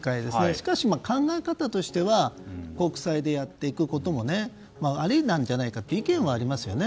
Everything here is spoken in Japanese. しかし、考え方としては国債でやっていくこともありなんじゃないかという意見はありますよね。